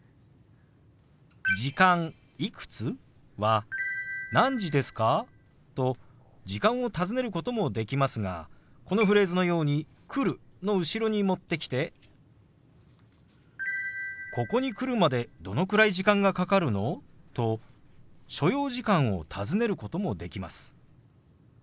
「時間いくつ？」は「何時ですか？」と時間を尋ねることもできますがこのフレーズのように「来る」の後ろに持ってきて「ここに来るまでどのくらい時間がかかるの？」と所要時間を尋ねることもできます。